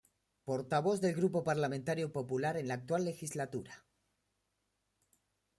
Portavoz del Grupo Parlamentario Popular en la actual Legislatura.